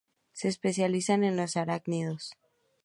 Se especializa en los arácnidos.